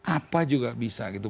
apa juga bisa gitu